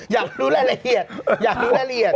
อยากรู้รายละเอียด